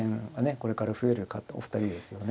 これから増えるお二人ですよね。